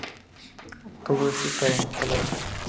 Todo estaba en las palabras.